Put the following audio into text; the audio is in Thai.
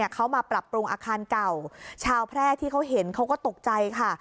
เขามาปรับปรุงอาคารเก่าชาวแพร่ที่เขาเห็นเขาก็ตกใจค่ะ